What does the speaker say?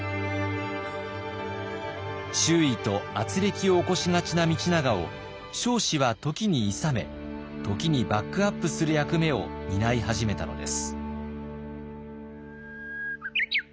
周囲とあつれきを起こしがちな道長を彰子は時にいさめ時にバックアップする役目を担い始めたのです。